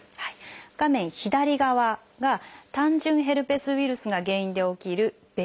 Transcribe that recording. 画面左側が単純ヘルペスウイルスが原因で起きる「ベル麻痺」。